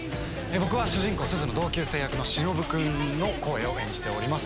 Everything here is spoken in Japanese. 僕は主人公すずの同級生役のしのぶくんの声を演じております。